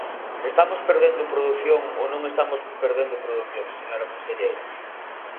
¿Estamos perdendo produción ou non estamos perdendo produción, señora conselleira?